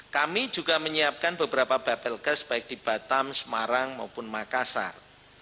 kami juga menyiapkan beberapa bapelkes baik di batam semarang maupun makassar